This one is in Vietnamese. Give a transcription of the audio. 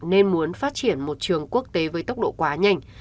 nên muốn phát triển một trường quốc tế với tốc độ quá nhanh